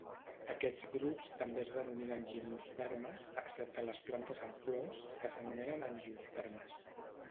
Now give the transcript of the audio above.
Aquests grups també es denominen gimnospermes, excepte les plantes amb flors, que s'anomenen angiospermes.